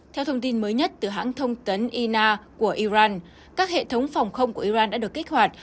theo thông tin mới nhất từ hãng thông tấn ina của iran các hệ thống phòng không của iran đã được kích hoạt